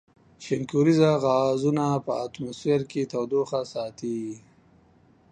شینکوریزه غازونه په اتموسفیر کې تودوخه ساتي.